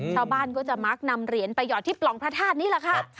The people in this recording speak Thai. ชาวบ้านก็จะมักนำเหรียญไปหอดที่ปล่องพระธาตุนี้แหละค่ะ